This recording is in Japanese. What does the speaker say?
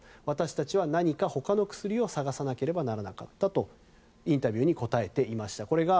私たちは何か他の薬を探さなければならなかったとインタビューに答えていました。